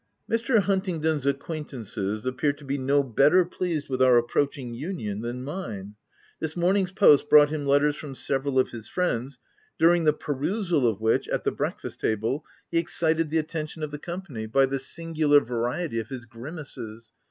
Mr. Huntingdon's acquaintances appear to be no better pleased with our approaching union than mine. This morning's post brought him letters from several of his friends, during the perusal of which, at the breakfast table, he excited the attention of the company, by the OP WILDFELL HALL. 25 singular variety of his grimaces.